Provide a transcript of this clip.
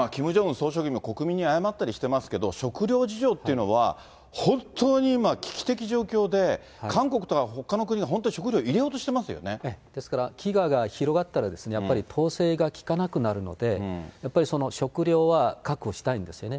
総書記も国民に謝ったりしてますけど、食糧事情っていうのは、本当に今、危機的状況で、韓国とかほかの国が本当、ですから、飢餓が広がったらやっぱり統制が効かなくなるので、やっぱり食糧は、確保したいんですよね。